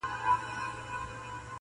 دا نظم وساته موسم به د غوټیو راځي.!